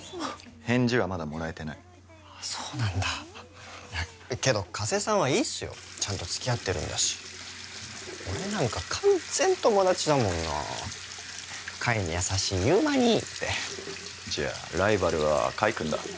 返事はまだもらえてないあっそうなんだけど加瀬さんはいいっすよちゃんとつきあってるんだし俺なんか完全友達だもんな海に優しい祐馬兄ってじゃあライバルは海君だえっ